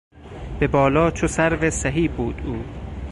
به بالا چو سروسهی بود او